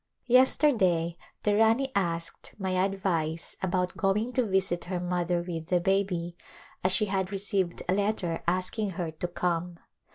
Yesterday the Rani asked my advice about going to visit her mother with the baby, as she had received a letter asking her to come.